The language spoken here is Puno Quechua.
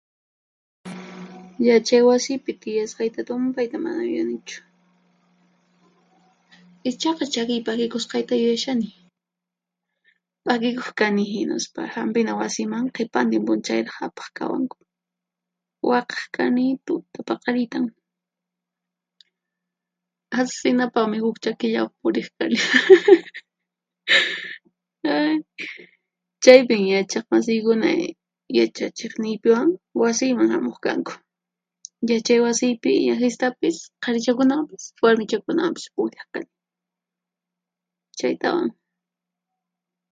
Yachay wasipi tiyasqayta tumpayta mana yuyanichu. Ichaqa chakiy p'akikusqayta yuyashani. P'akikuq kani hinaspa Hampina wasiman qhipantin p'unchayraq apaq kawanku. Waqaq kani tuta paqariytan. Asinapaqmi huq chakillayuq puriq kani hahaha Ay! Chaypin yachaqmasiykuna yachachiqniypiwan wasiyman hamuq kanku. Yachay wasiypi llahistapis qarichakunawanpis warmichakunawanpis puqllaq kani. Chaytawan.